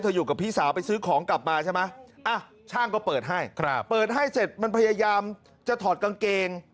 อยู่กับพี่สาวไปซื้อของกลับมาใช่ไหมช่างก็เปิดให้เปิดให้เสร็จมันพยายามจะถอดกางเกง